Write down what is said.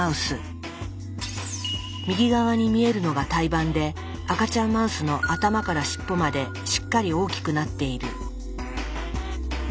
右側に見えるのが胎盤で赤ちゃんマウスの頭から尻尾までしっかり大きくなっている。